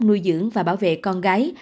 nuôi dưỡng và bảo vệ con gái